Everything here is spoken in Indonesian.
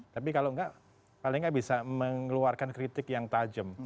tapi kalau enggak paling nggak bisa mengeluarkan kritik yang tajam